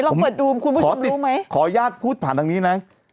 ขออนุญาตพูดผ่านทางนี้นะ